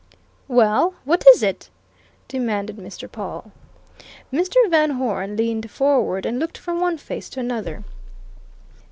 "Well what is it?" demanded Mr. Pawle. Mr. Van Hoeren leaned forward and looked from one face to another.